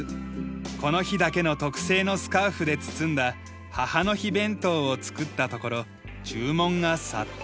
この日だけの特製のスカーフで包んだ母の日弁当を作ったところ注文が殺到！